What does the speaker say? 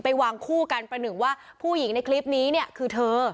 วางคู่กันประหนึ่งว่าผู้หญิงในคลิปนี้เนี่ยคือเธอ